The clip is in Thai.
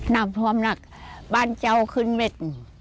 น้ำท่วมหนักบ้านเจ้าขึ้นเม็ด